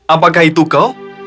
apakah itu kau